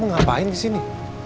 kamu ngapain disini